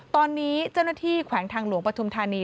ตอนนี้เจ้าหน้าที่แขวงทางหลวงปฐุมธานี